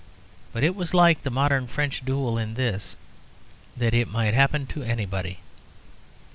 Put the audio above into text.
But it was like the modern French duel in this that it might happen to anybody.